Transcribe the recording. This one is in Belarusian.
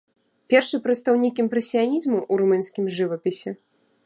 Першы прадстаўнік імпрэсіянізму ў румынскім жывапісе.